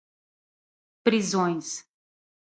prisões